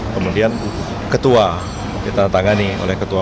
kemudian ketua ditandatangani oleh ketua